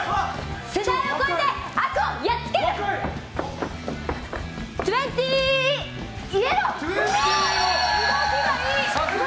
世代を超えて悪をやっつける２０ＹＥＬＬＯＷ！